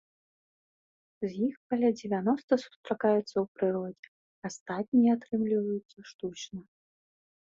З іх каля дзевяноста сустракаецца ў прыродзе, астатнія атрымліваюць штучна.